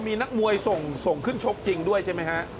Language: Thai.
มีนักมวยส่งขึ้นชกจริงด้วยใช่ไหมฮะ